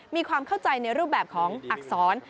มีความเข้าใจในรูปแบบของอักษร